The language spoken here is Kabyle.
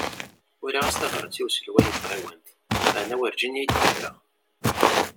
Uriɣ-as tabrat i uselway n tɣiwant maɛna warǧin iyi-d-yerra.